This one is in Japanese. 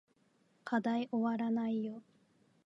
課題おわらないよ